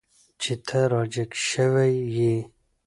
چې ته را جګ شوی یې.